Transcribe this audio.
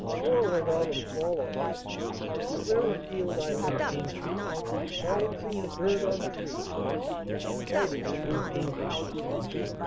Or let autumn fall on me Where afield I linger, Silencing the bird on tree, Biting the blue finger.